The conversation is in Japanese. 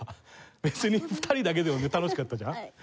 別に２人だけでもね楽しかったじゃん。